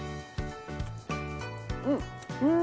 うん。